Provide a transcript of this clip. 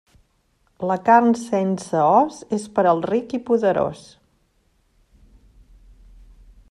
La carn sense os, és per al ric i poderós.